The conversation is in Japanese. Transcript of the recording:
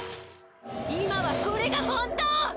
今はこれが本当！